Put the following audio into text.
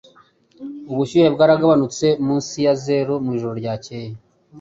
Ubushyuhe bwaragabanutse munsi ya zeru mwijoro ryakeye